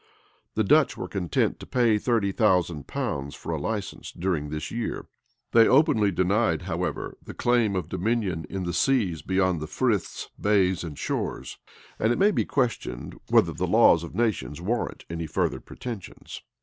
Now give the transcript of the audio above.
The Dutch were content to pay thirty thousand pounds for a license during this year. They openly denied, however, the claim of dominion in the seas beyond the friths, bays, and shores; and it may be questioned whether the laws of nations warrant any further pretensions.